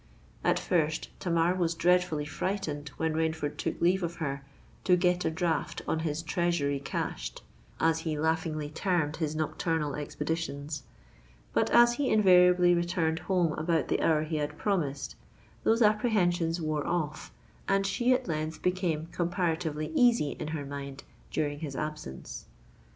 At first Tamar was dreadfully frightened when Rainford took leave of her to "get a draught on his treasury cashed," as he laughingly termed his nocturnal expeditions; but as he invariably returned home about the hour he had promised, those apprehensions wore off, and she at length became comparatively easy in her mind during his absence.